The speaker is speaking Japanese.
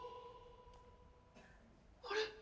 あれ？